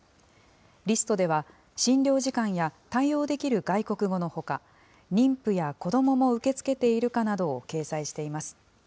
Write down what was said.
リストでは、診療時間や対応できる外国語のほか、妊婦や子どもも受け付けているかなどを掲載しています。